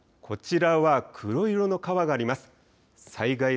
こちらは黒色の川があります。